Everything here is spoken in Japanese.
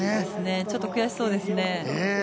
ちょっと悔しそうですね。